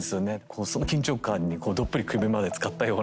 その緊張感にどっぷり首までつかったような。